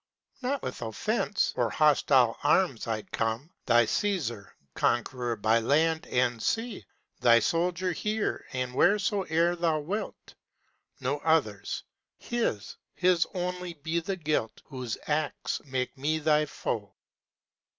Not with offence or hostfie arms I come, Thy Caesar, conqueror by land and sea, Thy soldier here and wheresoe'er thou wilt: No other's; his, his only be the guilt Whose acts make me thy foe.'